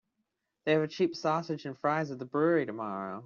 They have cheap sausages and fries at the brewery tomorrow.